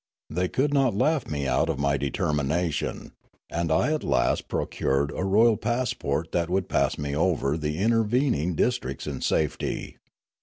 They could not laugh me out of my determination, and I at last procured a royal passport that w'ould pass me over the intervening dis tricts in safety.